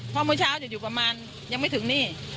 เพราะเมื่อเช้าจะอยู่ประมาณยังไม่ถึงนี่